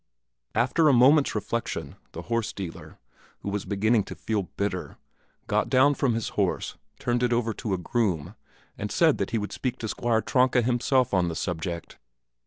After a moment's reflection, the horse dealer, who was beginning to feel bitter, got down from his horse, turned it over to a groom, and said that he would speak to Squire Tronka himself on the subject.